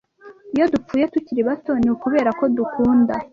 iyo dupfuye tukiri bato ni ukubera ko dukunda